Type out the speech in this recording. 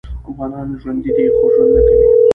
افغانان ژوندي دې خو ژوند نکوي